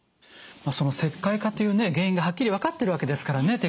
その石灰化というね原因がはっきり分かってるわけですからね